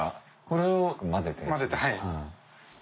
これを混ぜて。